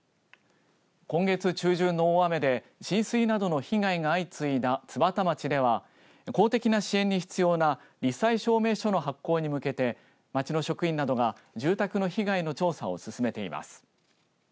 今月中旬の大雨で浸水などの被害が相次いだ津幡町では、公的な支援に必要なり災証明書の発行に向けて町の職員などが住宅の被害の調査を進めています。